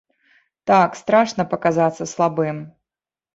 Так, страшна паказацца слабым.